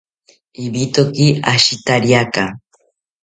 Ibitoki ashitariaka